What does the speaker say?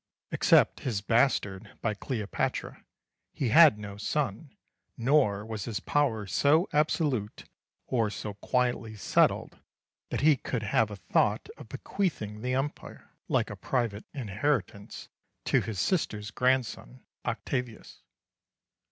Except his bastard by Cleopatra, he had no son; nor was his power so absolute or so quietly settled that he could have a thought of bequeathing the Empire, like a private inheritance, to his sister's grandson, Octavius.